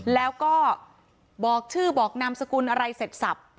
แล้วก็บอกชื่อบอกนามสกุลอะไรเสร็จสับ